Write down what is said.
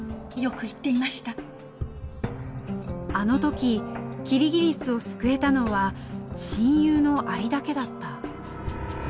あの時キリギリスを救えたのは親友のアリだけだった。